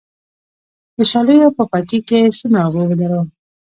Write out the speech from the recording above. د شالیو په پټي کې څومره اوبه ودروم؟